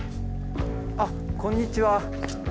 あっこんにちは。